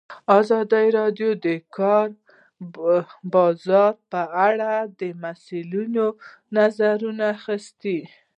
ازادي راډیو د د کار بازار په اړه د مسؤلینو نظرونه اخیستي.